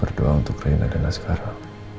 berdoa untuk rina dan asgharah